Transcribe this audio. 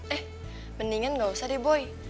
eh mendingan gak usah deh buy